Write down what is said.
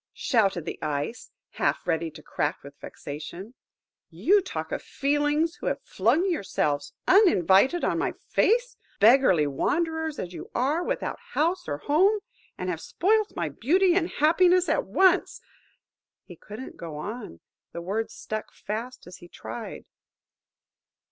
" shouted the Ice, half ready to crack with vexation; "you to talk of feelings, who have flung yourselves uninvited on my face; beggarly wanderers as you are, without house or home; and have spoilt my beauty and happiness at once! ..." He couldn't go on; the words stuck fast as he tried.